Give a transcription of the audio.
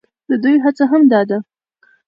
د دوى هڅه هم دا ده،